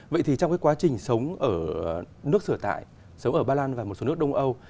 vậy thì trong cái quá trình sống ở nước sở tại sống ở ba lan và một số nước đông âu